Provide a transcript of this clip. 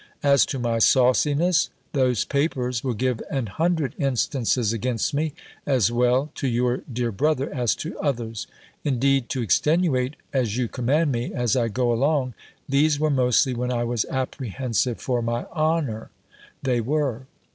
As to my sauciness, those papers will give an hundred instances against me, as well to your dear brother, as to others. Indeed, to extenuate, as you command me, as I go along, these were mostly when I was apprehensive for my honour, they were.